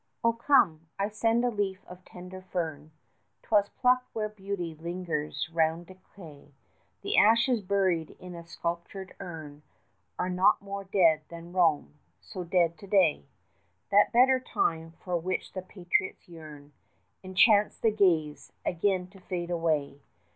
Oh, come! I send a leaf of tender fern, 'Twas plucked where Beauty lingers round decay: 90 The ashes buried in a sculptured urn Are not more dead than Rome so dead to day! That better time, for which the patriots yearn, Enchants the gaze, again to fade away.